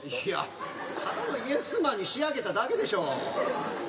いやただのイエスマンに仕上げただけでしょ。